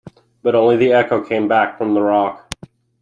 But only the echo came back from the rock.